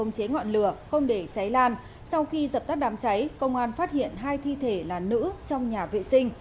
sau khi dập tắt đám cháy công an phát hiện hai thi thể là nữ trong nhà vệ sinh